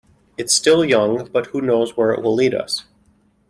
It's still young, but who knows where it will lead us.